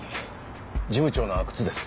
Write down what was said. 事務長の阿久津です。